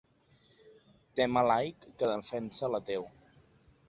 Tema laic que defensa l'ateu.